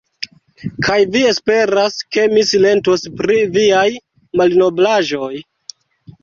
Kaj vi esperas, ke mi silentos pri viaj malnoblaĵoj!